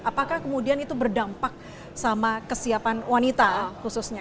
apakah kemudian itu berdampak sama kesiapan wanita khususnya